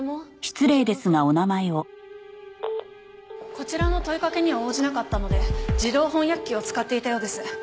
こちらの問いかけには応じなかったので自動翻訳機を使っていたようです。